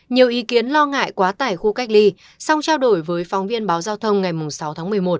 nhiều ý kiến lo ngại quá tải khu cách ly song trao đổi với phóng viên báo giao thông ngày sáu tháng một mươi một